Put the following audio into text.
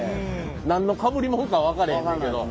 何のかぶりもんか分からへんねんけど。